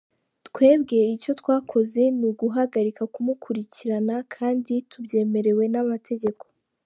Twebwe icyo twakoze ni uguhagarika kumukurikirana kandi tubyemerewe n’amategeko”.